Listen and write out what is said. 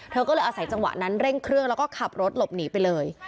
เธอก็เลยอาศัยจังหวะนั้นเร่งเครื่องแล้วก็ขับรถหลบหนีไปเลย